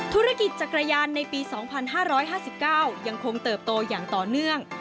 ธุรกิจจักรยานในปี๒๕๕๙ยังคงเติบโตอย่างต่อเนื่อง